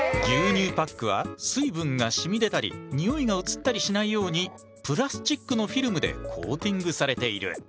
牛乳パックは水分がしみ出たり匂いが移ったりしないようにプラスチックのフィルムでコーティングされている。